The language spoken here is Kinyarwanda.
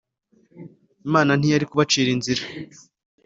imana ntiyari kubacira inzira.